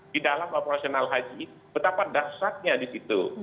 di dalam operasional haji betapa dasarnya di situ